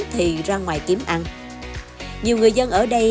thì ra ngoài kiếm ăn nhiều người dân ở đây